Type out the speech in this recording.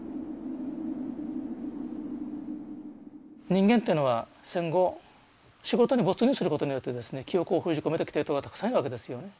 人間っていうのは戦後仕事に没入することによってですね記憶を封じ込めてきてる人がたくさんいるわけですよね。